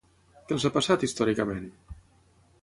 Què els ha passat, històricament?